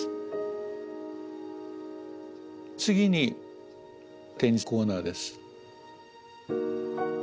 次に展示コーナーです。